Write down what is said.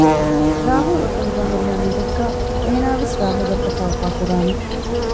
ރާހުލް އުފަލުގައި ހުރިހާ ހިނދެއްގައި އޭނާވެސް ރާހުލްއަށްޓަކާ އުފާކުރާނެ